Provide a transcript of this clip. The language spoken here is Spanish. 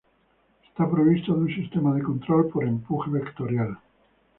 Está provisto de un sistema de control por empuje vectorial.